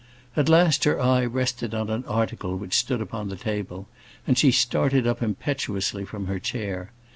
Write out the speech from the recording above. At last, her eye rested on an article which stood upon the table, and she started up impetuously from her chair.